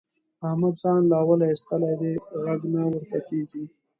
احمد ځان له اوله اېستلی دی؛ غږ نه ورته کېږي.